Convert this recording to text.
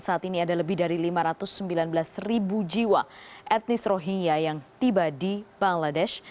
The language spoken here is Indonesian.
saat ini ada lebih dari lima ratus sembilan belas ribu jiwa etnis rohingya yang tiba di bangladesh